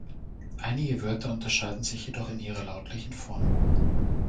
Einige Wörter unterscheiden sich jedoch in ihrer lautlichen Form.